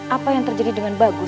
apa yang terjadi dengan bagus